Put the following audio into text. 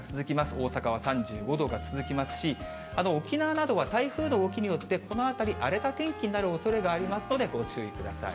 大阪は３５度が続きますし、沖縄などは台風の動きによってこのあたり、荒れた天気になるおそれがありますので、ご注意ください。